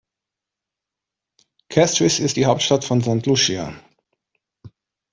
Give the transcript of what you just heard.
Castries ist die Hauptstadt von St. Lucia.